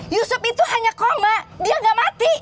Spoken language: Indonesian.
yusuf itu hanya koma dia nggak mati